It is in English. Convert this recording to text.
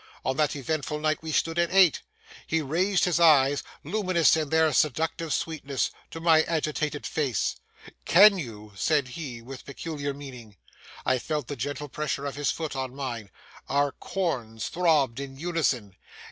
On that eventful night we stood at eight. He raised his eyes (luminous in their seductive sweetness) to my agitated face. 'Can you?' said he, with peculiar meaning. I felt the gentle pressure of his foot on mine; our corns throbbed in unison.